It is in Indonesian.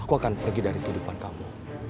aku akan pergi dari kehidupan kamu